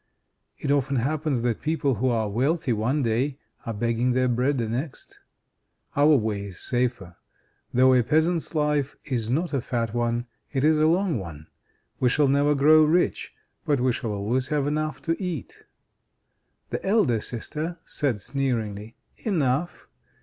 It often happens that people who are wealthy one day are begging their bread the next. Our way is safer. Though a peasant's life is not a fat one, it is a long one. We shall never grow rich, but we shall always have enough to eat." The elder sister said sneeringly: "Enough?